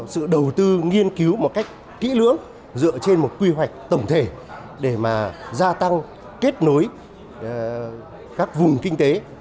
sự đầu tư nghiên cứu một cách kỹ lưỡng dựa trên một quy hoạch tổng thể để mà gia tăng kết nối các vùng kinh tế